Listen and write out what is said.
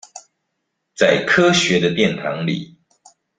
在科學的殿堂裡